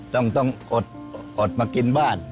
ต้องอดมากินบ้าน